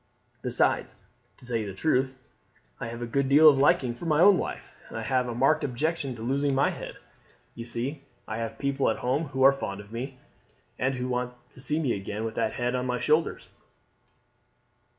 Besides, to tell you the truth, I have a good deal of liking for my own life, and have a marked objection to losing my head. You see I have people at home who are fond of me, and who want to see me back again with that head on my shoulders."